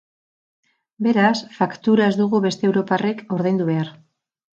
Beraz, faktura ez dugu beste europarrek ordaindu behar.